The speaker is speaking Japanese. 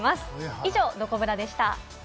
以上、どこブラでした。